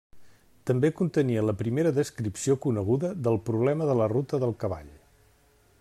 També contenia la primera descripció coneguda del problema de la ruta del cavall.